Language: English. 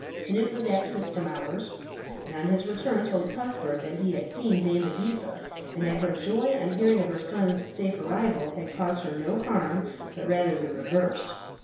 Cnut was absent some hours, and on his return told Cuthbert that he had seen Dame Editha, and that her joy on hearing of her son's safe arrival had caused her no harm, but rather the reverse.